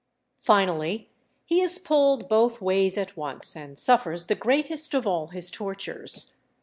Finally, he is pulled both ways at once and suffers the greatest of all his tortures.